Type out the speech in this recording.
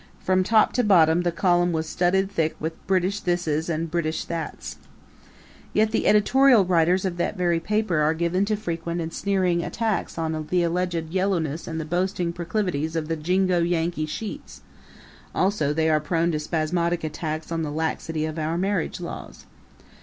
From top to bottom the column was studded thick with British thises and British thats. Yet the editorial writers of that very paper are given to frequent and sneering attacks on the alleged yellowness and the boasting proclivities of the jingo Yankee sheets; also, they are prone to spasmodic attacks on the laxity of our marriage laws.